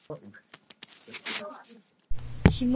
Сәер икән шул, бик сәер.